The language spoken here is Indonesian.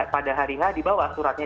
pada hari h di bawah suratnya